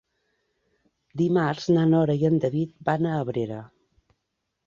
Dimarts na Nora i en David van a Abrera.